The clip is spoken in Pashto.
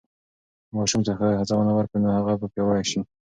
که ماشوم ته ښه هڅونه ورکو، نو هغه به پیاوړی شي.